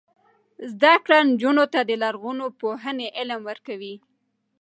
زده کړه نجونو ته د لرغونپوهنې علم ورکوي.